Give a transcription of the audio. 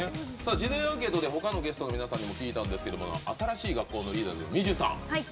事前アンケートではほかのアーティストの皆さんにも聞いたんですけども新しい学校のリーダーズのＭＩＺＹＵさん。